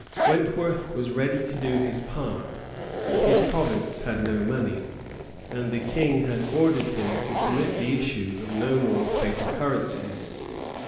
Wentworth was ready to do his part, but his province had no money, and the King had ordered him to permit the issue of no more paper currency.